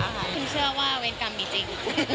คุณเชื่อว่าเวรกรรมมีจริง